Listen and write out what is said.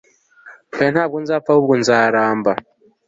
oya, nta bwo nzapfa, ahubwo nzaramba